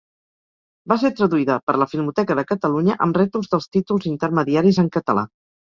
Va ser traduïda per la Filmoteca de Catalunya amb rètols dels títols intermediaris en català.